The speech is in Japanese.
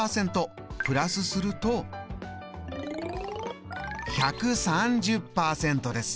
プラスすると１３０％です。